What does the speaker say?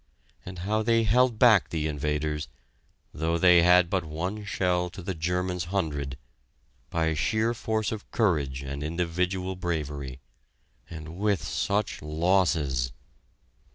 and how they held back the invaders though they had but one shell to the Germans' hundred by sheer force of courage and individual bravery... and with such losses.